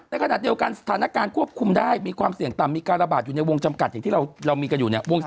ในขณะเดียวกันสถานการณ์ควบคุมได้มีความเสี่ยงต่ำมีการระบาดอยู่ในวงจำกัดอย่างที่เรามีกันอยู่เนี่ย